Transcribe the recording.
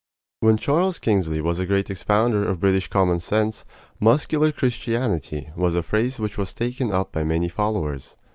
When Charles Kingsley was a great expounder of British common sense, "muscular Christianity" was a phrase which was taken up by many followers.